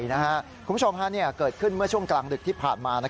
คุณผู้ชมเกิดขึ้นเมื่อช่วงกลางดึกที่ผ่านมา